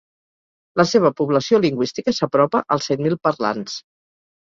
La seva població lingüística s'apropa als cent mil parlants.